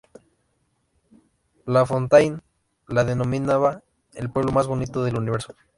La Fontaine la denominaba el pueblo más bonito del universo.